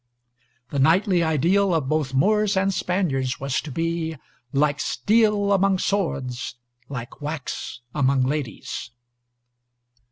The knightly ideal of both Moors and Spaniards was to be "Like steel among swords, Like wax among ladies."